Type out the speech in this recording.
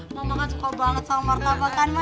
mama kan suka banget sama martabak kan